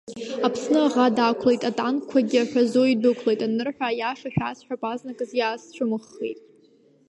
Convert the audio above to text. Аԥсны аӷа дақәлеит, атанкқәагьы ҳәазо идәықәлеит анырҳәа, аиаша шәасҳәап азныказы иаасцәымӷхеит.